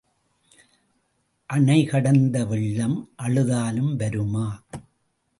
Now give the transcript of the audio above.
அணை கடந்த வெள்ளம் அழுதாலும் வருமா?